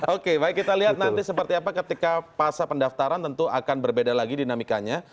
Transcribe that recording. oke baik kita lihat nanti seperti apa ketika pasca pendaftaran tentu akan berbeda lagi dinamikanya